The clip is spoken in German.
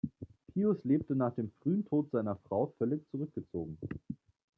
Pius lebte nach dem frühen Tod seiner Frau völlig zurückgezogen.